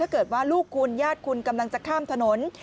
เกิดว่าลูกคุณญาติคุณกำลังจะข้ามถนน